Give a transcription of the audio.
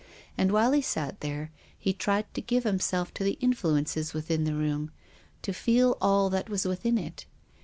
And while he sat there he tried to give himself to the influences within the room, to feel all that was within it.